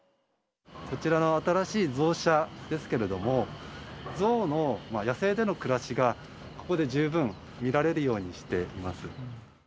こちらの新しいゾウ舎ですけれども、ゾウの野生での暮らしが、ここで十分見られるようにしています。